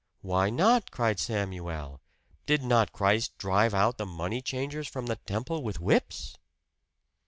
"Why not?" cried Samuel. "Did not Christ drive out the money changers from the temple with whips?"